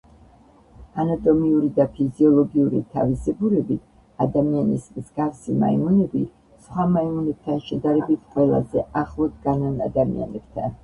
ანატომიური და ფიზიოლოგიური თავისებურებით ადამიანის მსგავსი მაიმუნები სხვა მაიმუნებთან შედარებით ყველაზე ახლო დგანან ადამიანებთან.